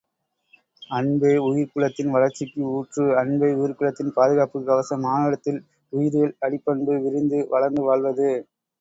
அன்பே உயிர்க்குலத்தின் வளர்ச்சிக்கு ஊற்று அன்பே உயிர்க்குலத்தின் பாதுகாப்புக் கவசம், மானுடத்தில் உயிரியல் அடிப்பண்பு விரிந்து, வளர்ந்து வாழ்வது.